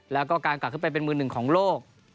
แล้วก็การกลับขึ้นไปเป็นมือหนึ่งของโลก